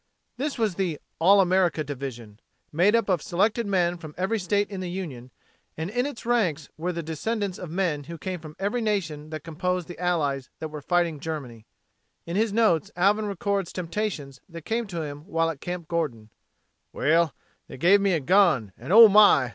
This was the "All America" Division, made up of selected men from every state in the Union and in its ranks were the descendants of men who came from every nation that composed the Allies that were fighting Germany. In his notes Alvin records temptations that came to him while at Camp Gordon: "Well they gave me a gun and, oh my!